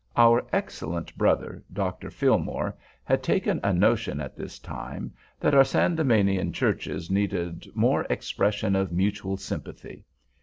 Our excellent brother, Dr. Fillmore, had taken a notion at this time that our Sandemanian churches needed more expression of mutual sympathy.